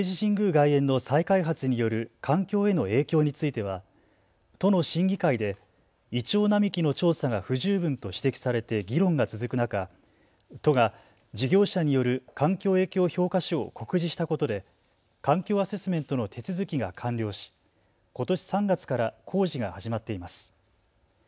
外苑の再開発による環境への影響については都の審議会でイチョウ並木の調査が不十分と指摘されて議論が続く中、都が事業者による環境影響評価書を告示したことで環境アセスメントの手続きが完了し、ことし３月から工事が始まっています。